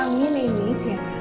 masuk angin ini siang ya